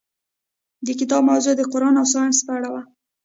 د کتاب موضوع د قرآن او ساینس په اړه وه.